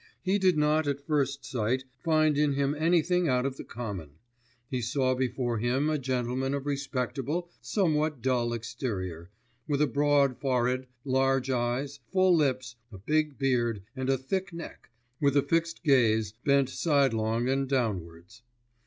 He did not at first sight find in him anything out of the common. He saw before him a gentleman of respectable, somewhat dull exterior, with a broad forehead, large eyes, full lips, a big beard, and a thick neck, with a fixed gaze, bent sidelong and downwards.